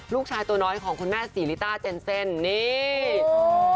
ตัวน้อยของคุณแม่ศรีลิต้าเจนเซ่นนี่